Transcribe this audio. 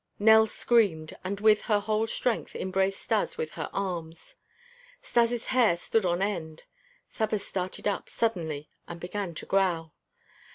Nell screamed, and with her whole strength embraced Stas with her arms. Stas' hair stood on end. Saba started up suddenly and began to growl.